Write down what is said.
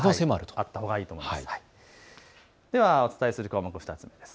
でも、お伝えする項目２つ目です。